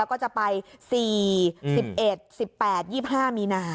ก็จะไป๔๑๑๑๘๒๕มีนา